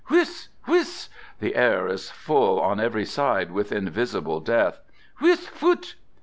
"Whiss! whissss!" The air is full on every side with invisible death. " Whisss! phutt!